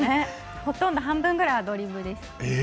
ほとんど半分ぐらいにアドリブです。